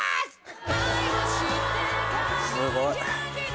すごい。